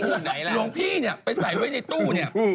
หลงพี่ไปใส่ไว้ในตู้นี่